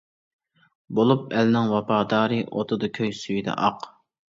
بولۇپ ئەلنىڭ ۋاپادارى، ئوتىدا كۆي، سۈيىدە ئاق.